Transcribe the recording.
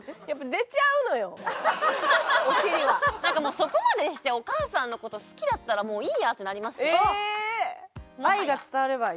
そこまでしてお母さんの事好きだったらもういいやってなりますね。